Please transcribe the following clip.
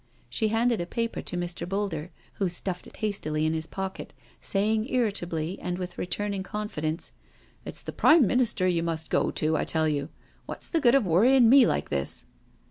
She handed a paper to Mr. Boulder, who stuffed it hastily into his pocket, saying irritably, and with re turning confidence: " It's the Prime Minister you must go to, I tell you. What's the good of worrying me like this?"